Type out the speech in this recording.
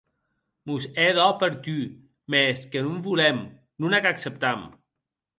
Mos hè dò per tu, mès que non volem, non ac acceptam.